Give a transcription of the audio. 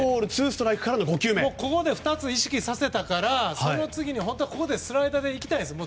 ここで２つ意識させたからその次にスライダーでいきたい。